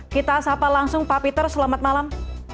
kita sapa langsung pak peter selamat malam